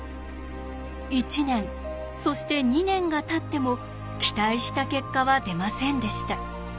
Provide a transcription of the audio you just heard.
１年そして２年がたっても期待した結果は出ませんでした。